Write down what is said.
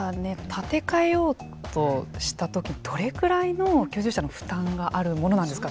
建て替えようとした時どれくらいの居住者の負担があるものなんですか？